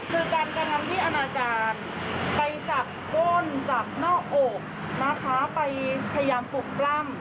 การกำนำพี่อนาจารย์ไปจับบ้นจับภาพนอกไปทะยามปลูกปร่ำ